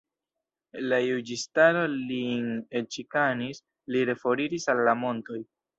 La juĝistaro lin ekĉikanis; li reforiris al la montoj.